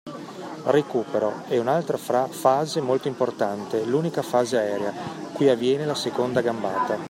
Recupero: è un’altra fase molto importante, l’unica fase aerea. Qui avviene la seconda gambata.